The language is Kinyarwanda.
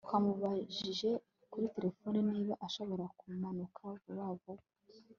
twamubajije kuri terefone niba ashobora kumanuka vuba vuba